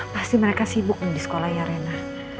pasti mereka sibuk nih di sekolah ya rena